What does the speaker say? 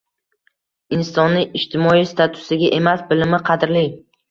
Insonni ijtimoiy statusiga emas, bilimi qadrli.